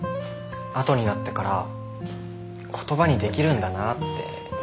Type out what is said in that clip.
後になってから言葉にできるんだなってじわじわ思えて。